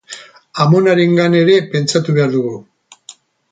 Amonarengan ere pentsatu behar dugu.